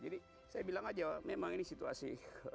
jadi saya bilang aja memang ini situasi